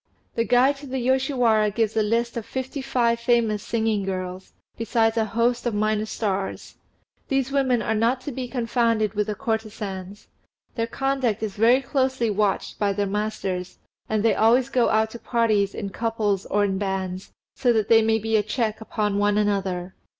The Guide to the Yoshiwara gives a list of fifty five famous singing girls, besides a host of minor stars. These women are not to be confounded with the courtesans. Their conduct is very closely watched by their masters, and they always go out to parties in couples or in bands, so that they may be a check upon one another.